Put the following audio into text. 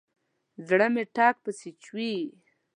زړه مې ټک پسې چوي.